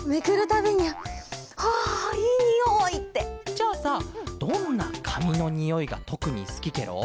じゃあさどんなかみのにおいがとくにすきケロ？